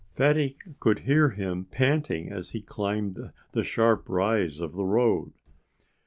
Fatty could hear him panting as he climbed the sharp rise of the road.